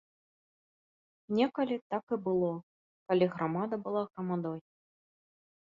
Некалі так і было, калі грамада была грамадой.